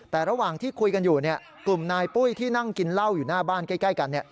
แต่ระหว่างที่คุยกันอยู่กลุ่มนายปุ้ยที่นั่งกินเหล้าอยู่หน้าบ้านใกล้กัน